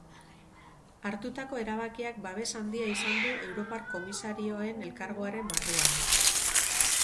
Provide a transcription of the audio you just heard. Hartutako erabakiak babes handia izan du europar komisarioen elkargoaren barruan.